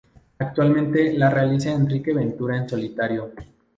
Actualmente la realiza Enrique Ventura en solitario.